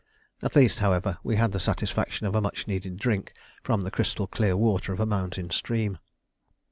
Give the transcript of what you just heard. At least, however, we had the satisfaction of a much needed drink from the crystal clear water of a mountain stream.